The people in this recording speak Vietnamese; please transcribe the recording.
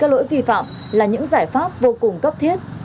lỗi vi phạm là những giải pháp vô cùng cấp thiết